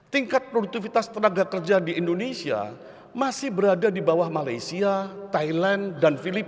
tingkat produktivitas tenaga kerja di indonesia masih berada di bawah malaysia thailand dan filipina